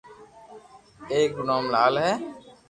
اآڪ رو نوم لال ھي